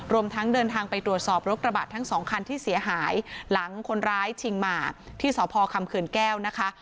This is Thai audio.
รวมทั้งเดินทางไปตรวจสอบรถกระบะทั้งสองคันที่เสียหายหลังคนร้ายชิงมาที่สพคำเขื่อนแก้วนะคะ